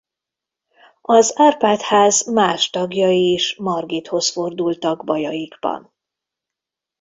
Az Árpád-ház más tagjai is Margithoz fordultak bajaikban.